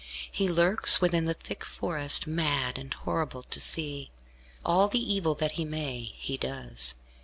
He lurks within the thick forest, mad and horrible to see. All the evil that he may, he does.